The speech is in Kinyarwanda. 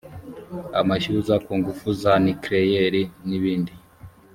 amashyuza ku ngufu za nuclear n’ ibindi